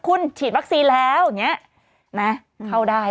คุณฉีดวัคซีนแล้วเนี้ยน่ะเข้าได้